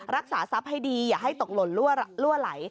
รักษาทรัพย์ให้ดีอย่าให้ตกหล่นลั่วไหล